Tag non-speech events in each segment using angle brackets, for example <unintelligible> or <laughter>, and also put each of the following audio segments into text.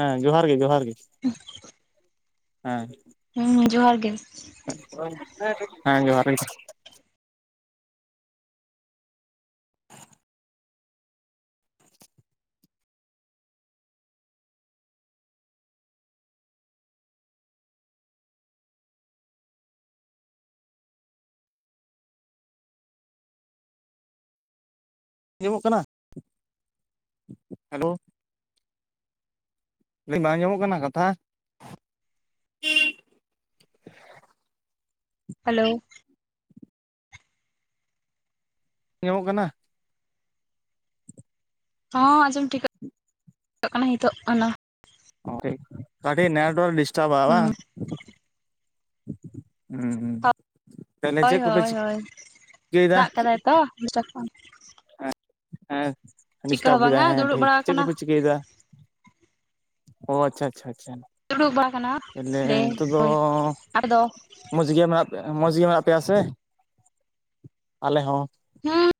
ᱦᱮᱸ ᱡᱚᱦᱟᱨ ᱜᱮ ᱡᱚᱦᱟᱨ ᱜᱮ <unintelligible> ᱦᱮᱸ ᱦᱮᱸ ᱡᱚᱦᱟᱨ ᱜᱮ <inaudible> ᱦᱮᱸ ᱡᱚᱦᱟᱨ ᱜᱮ <inaudible> ᱟᱡᱚᱢᱚᱜ ᱠᱟᱱᱟ ᱦᱮᱞᱳᱣ ᱵᱟᱝ ᱟᱸᱡᱚᱢᱚᱜ ᱠᱟᱱᱟ ᱠᱟᱛᱷᱟ ᱦᱮᱞᱳ ᱟᱸᱡᱚᱢᱚᱜ ᱠᱟᱱᱟ᱾ ᱦᱚᱸ ᱟᱸᱡᱚᱢ ᱴᱷᱤᱠᱟᱜ ᱠᱟᱱᱟ ᱦᱤᱛᱚᱜ ᱟᱱᱟ ᱚ ᱴᱷᱤᱠ ᱠᱟᱹᱴᱤᱡ ᱱᱮᱴᱣᱚᱨᱠ ᱰᱤᱥᱴᱟᱵᱟ ᱦᱩᱸ ᱵᱟᱝ ᱦᱮᱸ ᱦᱳᱭ ᱦᱳᱭ ᱦᱳᱭ ᱫᱟᱜ ᱠᱟᱫᱟᱭ ᱛᱚ <unintelligible> ᱠᱷᱚᱱ ᱪᱤᱠᱟᱹ ᱦᱮᱸᱰᱤᱥᱴᱟᱯ ᱦᱚᱸ ᱠᱮᱫᱟᱭ ᱵᱟᱝᱟ ᱦᱮᱸ ᱫᱩᱲᱩᱵ ᱴᱷᱤᱠ ᱵᱟᱲᱟ ᱪᱮᱫ ᱟᱠᱟᱱᱟ ᱠᱚᱯᱮ ᱪᱤᱠᱟᱹᱭ ᱫᱟ ᱚ ᱟᱪᱪᱷᱟ ᱟᱪᱪᱷᱟ ᱟᱪᱪᱷᱟ ᱫᱩᱲᱩᱵ ᱵᱟᱲᱟ ᱠᱟᱱᱟ ᱛᱮᱞᱮ ᱞᱮ ᱱᱤᱛᱚᱜ ᱫᱚ ᱦᱳᱭ ᱟᱫᱚ ᱢᱚᱡᱽ ᱜᱮ ᱢᱮᱱᱟᱜ ᱯᱮᱭᱟ ᱢᱚᱡᱽ ᱜᱮ ᱢᱮᱱᱟᱜ ᱯᱮᱭᱟ ᱥᱮ ᱟᱞᱮ ᱦᱚᱸ ᱦᱩᱸ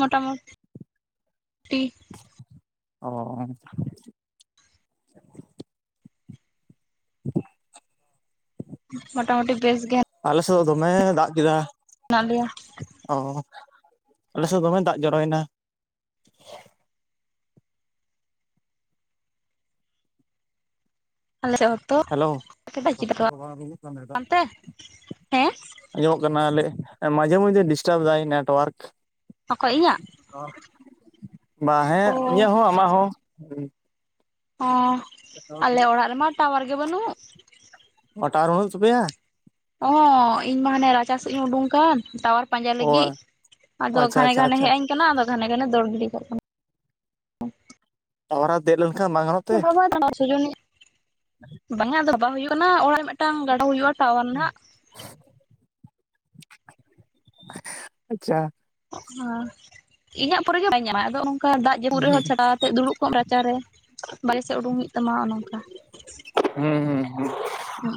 ᱢᱚᱴᱟᱢᱩᱴᱤ ᱚ <inaudible> ᱢᱚᱴᱟ ᱢᱩᱴᱤ ᱵᱮᱥ ᱜᱮ ᱟᱞᱮ ᱥᱮᱫ ᱫᱚ ᱫᱚᱢᱮ ᱫᱟᱜ ᱠᱮᱫᱟ ᱦᱮᱱᱟᱜ ᱞᱮᱭᱟ ᱚ ᱟᱞᱮ ᱥᱮᱫ ᱫᱚᱢᱮ ᱫᱟᱜ ᱡᱚᱨᱚᱭ ᱱᱟ ᱟᱞᱮ ᱥᱮᱫ ᱦᱚᱸᱛᱚ ᱦᱮᱞᱳ <unintelligible> ᱚᱱᱛᱮ ᱦᱮᱸ ᱟᱸᱡᱚᱢᱚᱜ ᱠᱟᱱᱟᱞᱮ ᱢᱟᱡᱷᱮ ᱢᱚᱡᱷᱮ ᱰᱤᱥᱴᱟᱵᱽ ᱫᱟᱭ ᱱᱮᱴᱳᱣᱟᱨᱠ ᱚᱠᱚᱭ ᱤᱧᱟᱹᱜ ᱵᱟ ᱦᱮᱸ ᱚ ᱤᱧᱟᱹᱜ ᱦᱚᱸ ᱟᱢᱟᱜ ᱦᱚᱸ ᱚᱸᱻ ᱚ ᱟᱞᱮ ᱴᱟᱣᱟᱨ ᱚᱲᱟᱜ ᱨᱮᱢᱟ ᱴᱟᱣᱟᱨ ᱜᱮ ᱵᱟᱹᱱᱩᱜ ᱚ ᱴᱟᱣᱟᱨ ᱵᱟᱱᱩᱜ ᱛᱟᱯᱮᱭᱟ ᱚᱸᱻ ᱤᱧ ᱢᱟ ᱦᱟᱱᱮ ᱨᱟ ᱪᱟ ᱥᱮᱫ ᱤᱧ ᱩᱰᱩᱝ ᱠᱟᱱ ᱴᱟᱣᱟᱨ ᱯᱟᱸᱡᱟᱭ ᱚ ᱞᱟᱹᱜᱤᱫ ᱟᱫᱚ ᱟᱪᱪᱷᱟ ᱜᱷᱟᱱᱮ ᱟᱪᱪᱷᱟ ᱜᱷᱟᱱᱮ ᱟᱪᱪᱷᱟ ᱦᱮᱡ ᱟᱹᱧ ᱠᱟᱱᱟ ᱟᱫᱚ ᱜᱷᱟᱱᱮ ᱜᱷᱟᱱᱮ ᱫᱚᱲ ᱵᱤᱨᱚᱜᱚᱜ ᱠᱟᱹᱱᱟᱹᱧ ᱴᱟᱣᱟᱨ ᱨᱮ ᱫᱮᱡ ᱞᱮᱱᱠᱷᱟᱱ ᱵᱟᱝ ᱜᱟᱱᱚᱜ ᱛᱮ <unintelligible> ᱵᱟᱸᱜᱟ ᱟᱫᱚ ᱵᱟ ᱦᱩᱭᱩᱜ ᱠᱟᱱᱟ ᱚᱲᱟᱜ ᱨᱮ ᱢᱤᱫᱴᱟᱝ ᱜᱟᱰᱟᱣ ᱦᱩᱭᱩᱜᱼᱟ᱾ ᱴᱟᱣᱟᱨ ᱱᱟᱦᱟᱜ ᱟᱪᱪᱷᱟ ᱦᱮᱸ ᱤᱧᱟᱹᱜ ᱯᱚᱨᱮ ᱜᱮ ᱵᱟᱹᱧ ᱧᱟᱢᱟ ᱟᱫᱚ ᱚᱝᱠᱟ ᱫᱟᱜ ᱡᱟᱹᱯᱩᱫ ᱦᱩᱸ ᱨᱮᱦᱚᱸ ᱪᱷᱟᱛᱟᱣᱟᱛᱮᱜ ᱫᱩᱲᱩᱵ ᱠᱚᱜ ᱢᱮ ᱨᱟᱪᱟ ᱨᱮ ᱵᱟᱨᱦᱮ ᱥᱮᱫ ᱩᱰᱩᱝ ᱦᱩᱭᱩᱜ ᱛᱟᱢᱟ ᱚᱱᱮ ᱚᱝᱠᱟ ᱦᱩᱸᱻᱦᱩᱸᱻᱦᱩᱸ ᱦᱩᱸ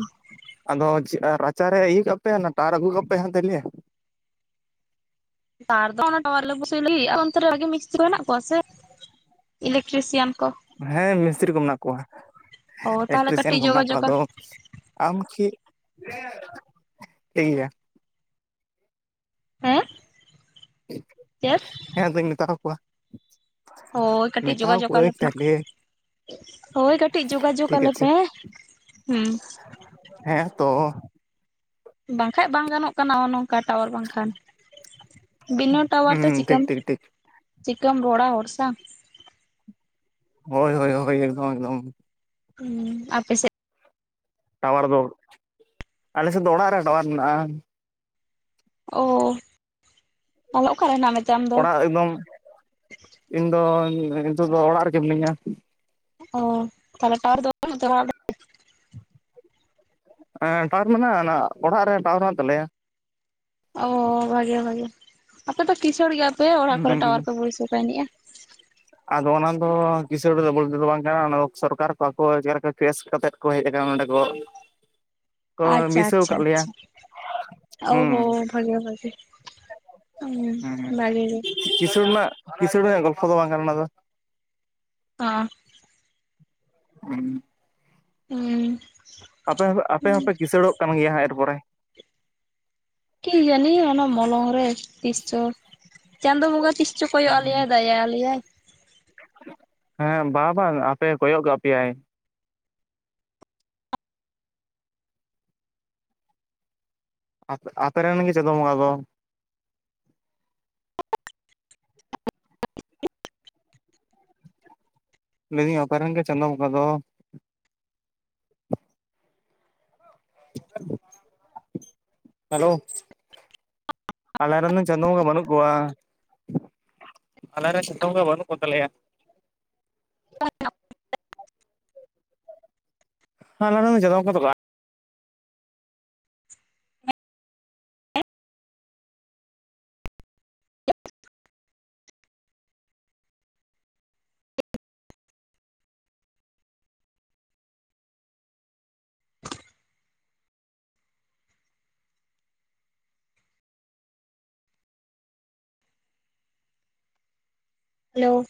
ᱟᱫᱚ ᱪᱮᱜ ᱨᱟᱪᱟ ᱨᱮ ᱤᱭᱟᱹ ᱠᱟᱯᱮ ᱚᱱᱟ ᱴᱟᱨ ᱟᱜᱩ ᱦᱚᱸᱠ ᱯᱮᱦᱮᱸ ᱫᱮᱞᱮᱭᱟ ᱛᱟᱨ ᱫᱚ ᱚᱱᱟ ᱴᱟᱣᱟᱨ ᱨᱮᱞᱮ ᱯᱩᱥᱩᱭ ᱞᱟᱹᱜᱤᱫ ᱟᱫᱚ ᱚᱱᱛᱮ ᱨᱮ ᱵᱷᱟᱜᱮ ᱢᱤᱥᱛᱨᱤ ᱠᱚ ᱢᱮᱱᱟᱜ ᱠᱚᱣᱟ ᱥᱮ ᱤᱞᱮᱠᱴᱨᱤᱥᱤᱭᱟᱱ ᱠᱚ ᱦᱮᱸ ᱢᱤᱥᱛᱨᱤ ᱠᱚ ᱢᱮᱱᱟᱜ ᱠᱚᱣᱟ ᱚ ᱛᱟᱦᱚᱞᱮ ᱤᱞᱮᱠᱴᱨᱤᱥᱤᱭᱟᱱ ᱠᱟᱹᱴᱤᱡ ᱠᱚ ᱢᱮᱱᱟᱜ ᱠᱚᱣᱟ ᱡᱳᱜᱟᱡᱳᱜᱽ ᱟᱫᱚ ᱟᱢ ᱪᱮᱫ <unintelligible> ᱴᱤᱭᱟ ᱦᱮᱸ ᱪᱮᱫ ᱦᱮᱸ ᱟᱫᱩᱧ ᱢᱮᱛᱟᱣ ᱠᱚᱣᱟ ᱦᱳᱭ ᱠᱟᱹᱴᱤᱡ ᱢᱮᱛᱟᱣ ᱡᱳᱜᱟᱡᱳᱜᱽ ᱟᱞᱮ ᱠᱚᱣᱟᱹᱧ ᱯᱮ ᱦᱟᱸᱜ ᱛᱟᱦᱞᱮ ᱦᱳᱭ ᱠᱟᱹᱴᱤᱡ ᱡᱳᱜᱟᱡᱳᱜᱽ ᱴᱷᱤᱠ ᱟᱞᱮ ᱟᱪᱷᱮ ᱯᱮ ᱦᱩᱸ ᱦᱮᱸ ᱛᱚ ᱵᱟᱝᱠᱷᱟᱡ ᱵᱟᱝ ᱜᱟᱱᱚᱜ ᱠᱟᱱᱟ ᱚᱱᱚᱝ ᱚᱱᱠᱟ ᱴᱟᱣᱟᱨ ᱵᱟᱝ ᱠᱷᱟᱱ ᱵᱤᱱᱟᱹ ᱴᱟᱣᱟᱨ ᱦᱩᱸ ᱛᱮ ᱴᱷᱤᱠ ᱪᱤᱠᱟᱹᱢ ᱴᱷᱤᱠ ᱴᱷᱤᱠ ᱪᱤᱠᱟᱹᱢ ᱨᱚᱲᱟ ᱦᱚᱲ ᱥᱟᱶ ᱦᱳᱭ ᱦᱳᱭ ᱦᱳᱭ ᱮᱠᱫᱚᱢ ᱮᱠᱫᱚᱢ ᱦᱩᱸᱻ ᱟᱯᱮ ᱥᱮᱫ ᱴᱟᱣᱟᱨ ᱫᱚ ᱟᱞᱮᱥᱮᱫ ᱫᱚ ᱚᱲᱟᱜ ᱨᱮ ᱴᱟᱣᱟᱨ ᱢᱮᱱᱟᱜᱼᱟ ᱚ ᱛᱟᱦᱚᱞᱮ ᱚᱠᱟᱨᱮ ᱦᱮᱱᱟᱜ ᱢᱮ ᱚᱲᱟᱜ ᱮᱠᱫᱚᱢ ᱤᱧ ᱫᱚ ᱱᱤᱛᱚᱜ ᱫᱚ ᱚᱲᱟᱜ ᱨᱮᱜᱮ ᱢᱤᱱᱟᱹᱧᱟ ᱾ ᱚ ᱛᱟᱦᱚᱞᱮ ᱴᱟᱣᱟᱨ ᱫᱚ ᱵᱟᱹᱱᱩᱜ ᱛᱟᱢᱟ ᱚᱲᱟᱜ ᱨᱮ? ᱴᱟᱣᱟᱨ ᱢᱮᱱᱟᱜᱼᱟ ᱱᱟᱦᱟᱜ ᱚᱲᱟᱜ ᱨᱮ ᱴᱟᱣᱟᱨ ᱢᱮᱱᱟᱜ ᱛᱟᱞᱮᱭᱟ ᱾ ᱚ ᱵᱷᱟᱜᱮ ᱵᱷᱟᱜᱮ ᱟᱯᱮ ᱫᱚ ᱠᱤᱥᱟᱹᱲ ᱜᱮᱭᱟ ᱯᱮ ᱚᱲᱟᱜ ᱠᱚᱨᱮᱜ ᱴᱟᱣᱟᱨ ᱦᱩᱸ ᱯᱮ ᱵᱚᱹᱭᱥᱟᱹᱣ ᱠᱟᱜ ᱱᱤᱜᱼᱟ ᱾ ᱟᱫᱚ ᱚᱱᱟ ᱫᱚ ᱠᱤᱥᱟᱹᱬ ᱨᱮᱫᱚ ᱵᱚᱞᱛᱮ ᱫᱚ ᱵᱟᱝ ᱠᱟᱱᱟ ᱚᱱᱟ ᱫᱚ ᱥᱚᱨᱠᱟᱨ ᱠᱚ ᱟᱠᱚᱣᱟᱜ ᱪᱮᱨ ᱨᱮᱠᱟ ᱪᱳᱭᱮᱥ ᱠᱟᱛᱮᱫ ᱠᱚ ᱦᱮᱡ ᱟᱠᱟᱱᱟ ᱱᱚᱸᱰᱮ ᱠᱚ, ᱠᱚ ᱟᱪᱪᱷᱟ ᱵᱟᱹᱭᱥᱟᱹᱣ ᱟᱪᱪᱷᱟ ᱟᱠᱟᱫ ᱞᱮᱭᱟ ᱟᱪᱪᱷᱟ ᱟᱨ ᱦᱩᱸ ᱦᱚᱸ ᱵᱷᱟᱹᱜᱮ ᱵᱷᱟᱹᱜᱮ ᱦᱩᱸ ᱦᱩᱸ ᱠᱤᱥᱟᱹᱬ ᱨᱮᱱᱟᱜ ᱠᱤᱥᱟᱹᱬ ᱨᱮᱱᱟᱜ ᱜᱚᱞᱯᱷᱚ ᱫᱚ ᱵᱟᱝ ᱠᱟᱱᱟ ᱚᱱᱟ ᱫᱚ ᱚ ᱦᱩᱸ ᱦᱩᱸ ᱟᱯᱮ ᱦᱚᱸ ᱟᱯᱮ ᱦᱚᱸᱯᱮ ᱠᱤᱥᱟᱹᱲᱚᱜ ᱠᱟᱱ ᱜᱮᱭᱟ ᱦᱟᱸᱜ ᱮᱨ ᱯᱚᱨᱮ ᱾ ᱠᱤ ᱡᱟᱹᱱᱤ ᱚᱱᱟ ᱢᱚᱞᱚᱝ ᱨᱮ ᱛᱤᱥᱪᱚ ᱪᱟᱸᱫᱳ ᱵᱚᱸᱜᱟ ᱛᱤᱥ ᱪᱚ ᱠᱚᱭᱚᱜ ᱟᱞᱮᱭᱟ ᱫᱟᱭᱟ ᱟᱞᱮᱭᱟᱭ ᱾ ᱦᱮᱸ ᱵᱟ ᱵᱟᱝ ᱟᱯᱮ ᱠᱚᱭᱚᱜ ᱜᱚᱜ ᱟᱯᱮᱭᱟᱭ ᱾ ᱟ ᱟᱯᱮᱨᱮᱱ ᱜᱮ ᱪᱟᱸᱫᱳ ᱵᱚᱸᱜᱟ ᱫᱚ ᱾ ᱞᱟᱹᱭ ᱫᱤᱧ ᱟᱯᱮᱨᱮᱱ ᱜᱮ ᱪᱟᱸᱫᱳ ᱵᱚᱸᱜᱟ ᱫᱚ ᱦᱮᱞᱳ ᱟᱞᱮ ᱨᱮᱱ ᱫᱚ ᱪᱟᱸᱫᱳ ᱵᱚᱸᱜᱟ ᱵᱟᱹᱱᱩᱜ ᱠᱚᱣᱟ ᱾ ᱟᱞᱮᱨᱮᱱ ᱪᱟᱸᱫᱳ ᱵᱚᱸᱜᱟ ᱵᱟᱹᱱᱩᱜ ᱠᱚᱛᱟᱞᱮᱭᱟ ᱾ ᱟᱞᱮᱨᱮᱱ ᱫᱚ ᱪᱟᱸᱫᱳ ᱵᱚᱸᱜᱟ ᱫᱚ ᱵᱟᱝ, ᱦᱮᱞᱳ